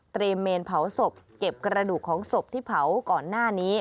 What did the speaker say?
เมนเผาศพเก็บกระดูกของศพที่เผาก่อนหน้านี้